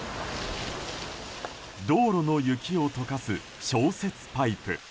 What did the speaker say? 道路の雪を溶かす消雪パイプ。